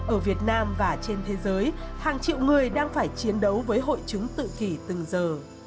ở việt nam và trên thế giới hàng triệu người đang phải chiến đấu với hội chứng tự kỷ từng giờ